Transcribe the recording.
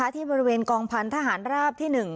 ที่บริเวณกองพันธหารราบที่๑